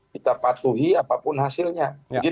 kita patuhi apapun hasilnya